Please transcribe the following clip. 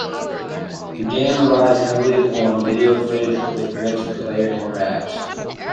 The game relies heavily on video footage, with which the player interacts.